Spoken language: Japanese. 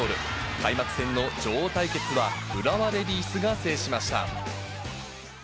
開幕戦の女王対決は、浦和レディースが制しました。